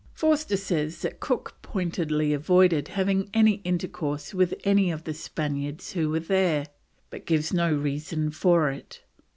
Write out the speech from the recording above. Forster says that Cook pointedly avoided having any intercourse with any of the Spaniards who were there, but gives no reason for it.